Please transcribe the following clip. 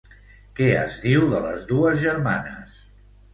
Què es diu de les dues germanes?